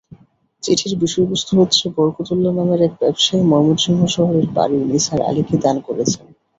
চিঠির বিষয়বস্তু হচ্ছে বরকতউল্লাহ নামের এক ব্যবসায়ী ময়মনসিংহ শহরের বাড়ি নিসার আলিকে দান করেছেন।